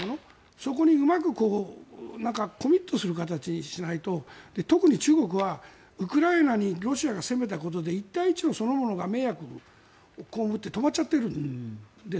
そこにうまくコミットする形にしないと特に中国はウクライナにロシアが攻めたことで一帯一路そのものが迷惑を被って止まっちゃってるんです。